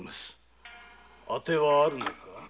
当てはあるのか？